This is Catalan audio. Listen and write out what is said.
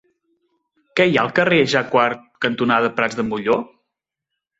Què hi ha al carrer Jacquard cantonada Prats de Molló?